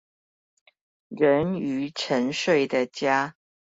人魚沉睡的家